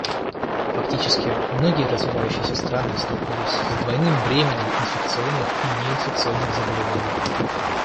Фактически, многие развивающиеся страны столкнулись с двойным бременем инфекционных и неинфекционных заболеваний.